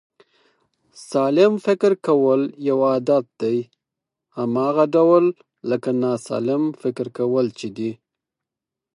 سالم فکر کول یو عادت دی، هماغه ډول لکه ناسلم فکر کول چې دی